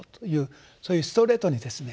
そういうストレートにですね